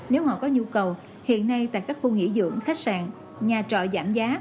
nếu họ có nhu cầu hiện nay tại các khu nghỉ dưỡng khách sạn nhà trọ giảm giá